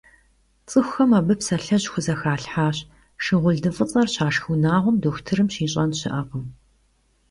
ЦӀыхухэм абы псалъэжь хузэхалъхьащ: «Шыгъулды фӀыцӀэр щашх унагъуэм дохутырым щищӀэн щыӀэкъым».